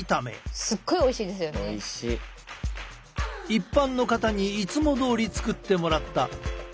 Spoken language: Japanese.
一般の方にいつもどおり作ってもらった。